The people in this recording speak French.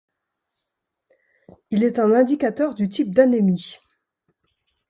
Il est un indicateur du type d'anémie.